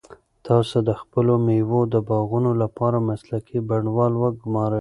تاسو د خپلو مېوو د باغونو لپاره مسلکي بڼوال وګمارئ.